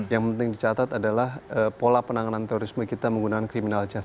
yang penting dicatat adalah pola penanganan terorisme kita menggunakan kriminal justice